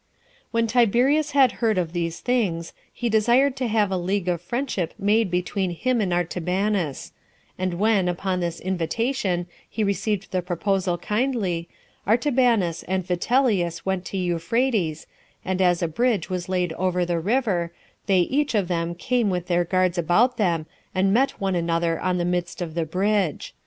5. When Tiberius had heard of these things, he desired to have a league of friendship made between him and Artabanus; and when, upon this invitation, he received the proposal kindly, Artabanus and Vitellius went to Euphrates, and as a bridge was laid over the river, they each of them came with their guards about them, and met one another on the midst of the bridge.